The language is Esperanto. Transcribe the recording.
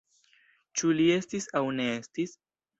Ĉu li estis aŭ ne estis?